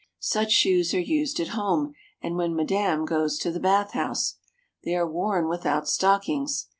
Such shoes are used at home and when madame goes to the bathhouse. They are worn without stockings.